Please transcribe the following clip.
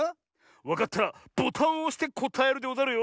わかったらボタンをおしてこたえるでござるよ。